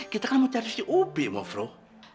kita kan mau cari si opik maaf maaf